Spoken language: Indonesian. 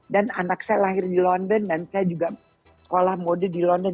dan anak saya lahir di london dan saya juga sekolah mode di london